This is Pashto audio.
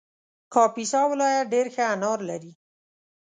کاپیسا ولایت ډېر ښه انار لري